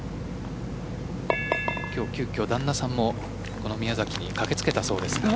今日、急きょ旦那さんもこの宮崎に駆けつけたそうです。